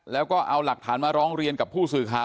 แล้วก็เอาหลักฐานมาร้องเรียนกับผู้สื่อข่าว